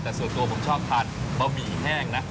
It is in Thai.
แต่ส่วนตัวผมชอบทานบะหมี่แห้งนะ